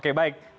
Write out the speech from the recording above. baik mbak wiwi